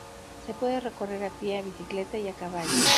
Se puede recorrer a pie, a bicicleta y a caballo.